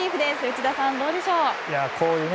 内田さん、どうでしょう？